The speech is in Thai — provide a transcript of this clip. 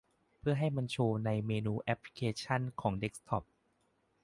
เพื่อให้มันโชว์ในเมนูแอปพลิเคชันของเดสก์ท็อป